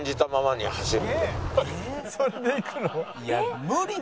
それで行くの？